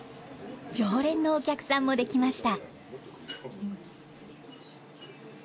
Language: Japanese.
常連のお客さんもできました。